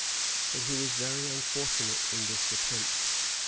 But he was very unfortunate in this attempt.